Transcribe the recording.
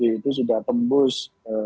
itu sudah tembus